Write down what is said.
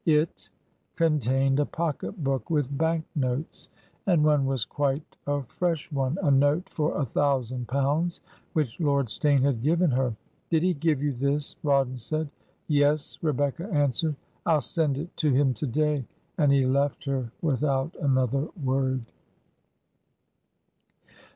It ... contained a pocket book with bank notes, ... and one was quite a fresh one — a note for a thousand pounds which Lord Steyne had given her. 'Did he give you this?' Rawdon said. 'Yes/ Rebecca answered. ' I'll send it to him to day, '... and he left her without another word."